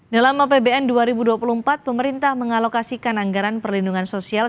dalam apbn dua ribu dua puluh empat pemerintah mengalokasikan anggaran perlindungan sosial